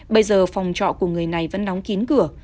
bây giờ phòng trọ của người này vẫn nóng kín cửa